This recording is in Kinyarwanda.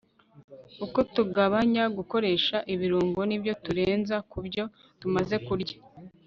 Uko tugabanya gukoresha ibirungo nibyo turenza ku byo tumaze kurya